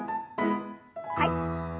はい。